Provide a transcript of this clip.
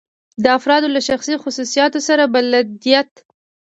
د افرادو له شخصي خصوصیاتو سره بلدیت.